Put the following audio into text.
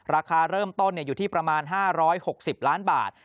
ราคาเริ่มต้นอยู่ที่ประมาณ๕๖๐ล้านบาท